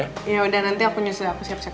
yaudah nanti aku nyusul aku siap siap